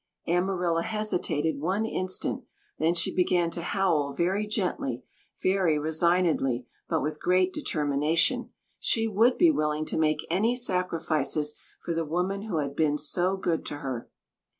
Amarilla hesitated one instant, then she began to howl very gently, very resignedly, but with great determination. She would be willing to make any sacrifices for the woman who had been so good to her.